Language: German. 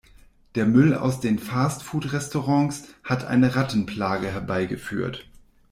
Der Müll aus den Fast-Food-Restaurants hat eine Rattenplage herbeigeführt.